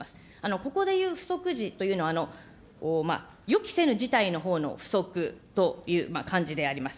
ここでいう不測時というのは、予期せぬ事態のほうの付則という漢字であります。